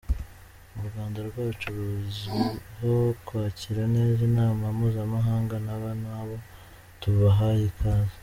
u Rwanda rwacu ruzwiho kwakira neza inama mpuzamahanga naba nabo tubahaye ikaze.